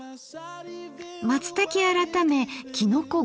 松茸改め「きのこごはん」。